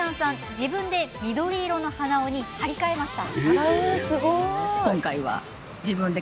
自分で緑色の鼻緒に張り替えました。